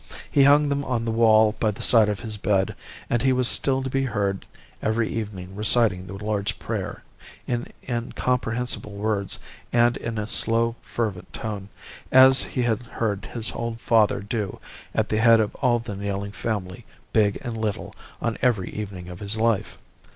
He hung them on the wall by the side of his bed, and he was still to be heard every evening reciting the Lord's Prayer, in incomprehensible words and in a slow, fervent tone, as he had heard his old father do at the head of all the kneeling family, big and little, on every evening of his life.